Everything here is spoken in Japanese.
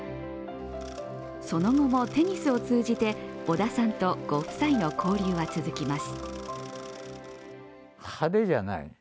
その後もテニスを通じて織田さんとご夫妻の交流は続きます。